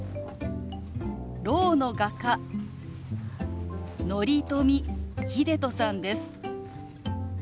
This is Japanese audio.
ろうの画家乘富秀人さんです。